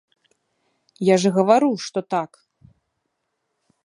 Я ж і гавару, што так.